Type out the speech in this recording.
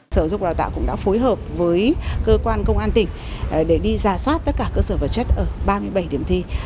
sở dục đào tạo cũng đã phối hợp với cơ quan công an tỉnh để đi ra soát tất cả cơ sở vật chất ở ba mươi bảy điểm thi